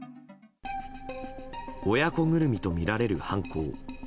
親子ぐるみとみられる犯行。